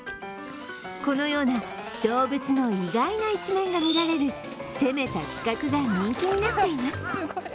このような動物の意外な一面が見られる攻めた企画が人気になっています。